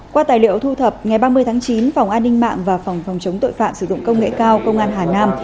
qua tài liệu thu thập ngày ba mươi tháng chín phòng an ninh mạng và phòng phòng chống tội phạm sử dụng công nghệ cao công an hà nam